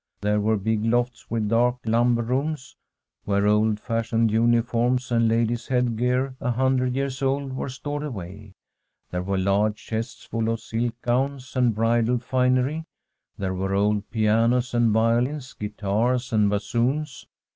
There were big lofts with dark lumber rooms, where old fashioned uniforms and ladies' head gear a hundred years old were stored away ; there were large chests full of silk gowns and bridal finery ; there were old pianos and violins, guitars and bassoons.